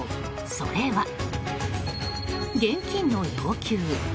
それは、現金の要求。